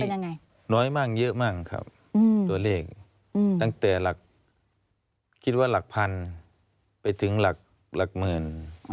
มีน้อยมั่งเยอะมั่งครับตัวเลขตั้งแต่คิดว่าหลักพันไปถึงหลักหมื่น